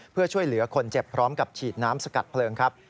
เพื่อช่วยเหลือคนเจ็บพร้อมกับฉีดน้ำสกัดเพลิงครับ